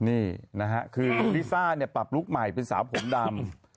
นี่นะฮะคือลิซ่าเนี่ยปรับลุคใหม่เป็นสาวผมดำ